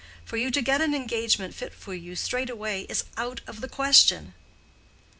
For you to get an engagement fit for you straight away is out of the question."